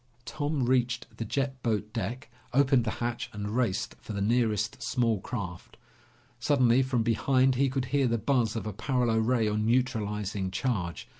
Tom reached the jet boat deck, opened the hatch, and raced for the nearest small craft. Suddenly from behind he could hear the buzz of a paralo ray on neutralizing charge.